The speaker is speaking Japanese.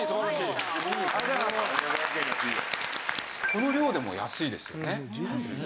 この量でも安いですよね。